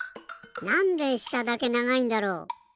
なんでしただけながいんだろう？